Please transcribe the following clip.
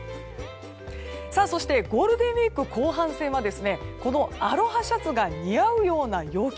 そしてゴールデンウィーク後半戦はこのアロハシャツが似合うような陽気。